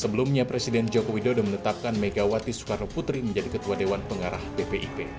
sebelumnya presiden joko widodo menetapkan megawati soekarno putri menjadi ketua dewan pengarah bpip